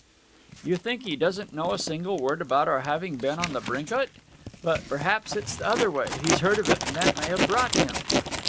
'You think he doesn't know a single word about our having been on the brink o't. But perhaps it's the other way he's heard of it and that may have brought him.